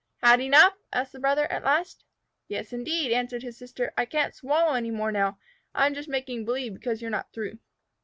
"Had enough?" asked the brother at last. "Yes, indeed," answered his sister. "I can't swallow any more now. I'm just making believe because you are not through."